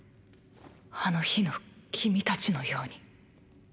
あの日の君たちのように。